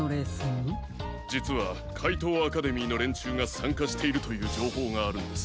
じつはかいとうアカデミーのれんちゅうがさんかしているというじょうほうがあるんです。